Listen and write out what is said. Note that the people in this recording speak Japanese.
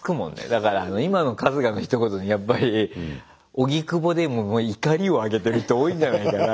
だから今の春日のひと言はやっぱり荻窪でも怒りをあげてる人多いんじゃないかな。